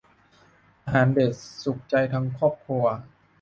อาหารเด็ด สุขใจทั้งครอบครัว